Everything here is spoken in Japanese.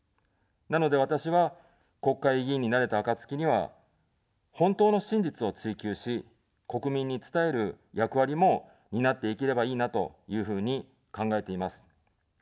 なので、私は、国会議員になれた暁には、本当の真実を追求し、国民に伝える役割も担っていければいいなというふうに考えています。